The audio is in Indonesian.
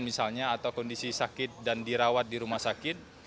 misalnya atau kondisi sakit dan dirawat di rumah sakit